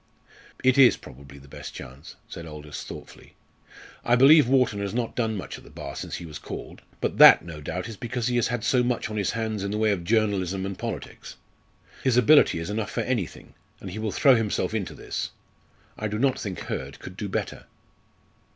"It is probably the best chance," said Aldous, thoughtfully. "I believe Wharton has not done much at the Bar since he was called, but that, no doubt, is because he has had so much on his hands in the way of journalism and politics. His ability is enough for anything, and he will throw himself into this. I do not think Hurd could do better."